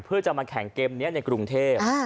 เพื่อจะมาแข่งเกมนี้ในกรุงเทพ